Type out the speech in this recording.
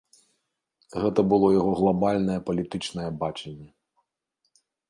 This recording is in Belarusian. Гэта было яго глабальнае палітычнае бачанне.